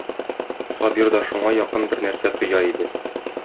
Сабир да шуңа якын бер нәрсә тоя иде.